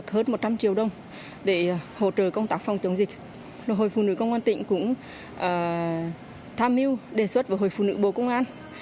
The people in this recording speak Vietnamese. hội phụ nữ công an tỉnh cũng tham hiu đề xuất với hội phụ nữ bộ công an